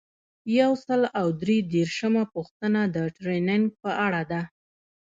یو سل او درې دیرشمه پوښتنه د ټریننګ په اړه ده.